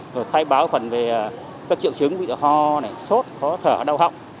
rồi khai báo phần về các triệu chứng bị đỡ ho sốt khó thở đau họng